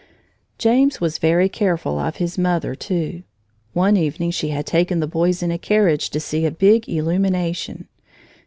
James was very careful of his mother, too. One evening she had taken the boys in a carriage to see a big illumination.